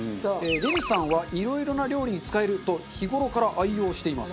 レミさんはいろいろな料理に使えると日頃から愛用しています。